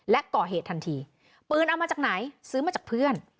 และก่อเหตุทันทีปืนเอามาจากไหนซื้อมาจากเพื่อน